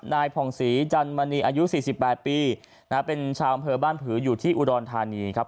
นายผ่องศรีจันมณีอายุสี่สิบแปดปีนะเป็นชาวบ้านผืออยู่ที่อุดรธานีครับ